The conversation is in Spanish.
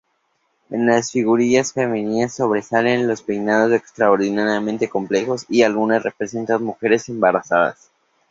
En las figurillas femeninas sobresalen los peinados, extraordinariamente complejos y algunas representan mujeres embarazadas.